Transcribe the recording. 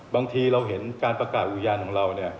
บางทีเราเห็นการประกาศอุญาณของเรา